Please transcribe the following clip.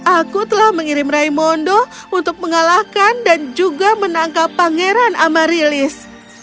aku telah mengirim raimondo untuk mengalahkan dan juga menangkap pangeran amaryllis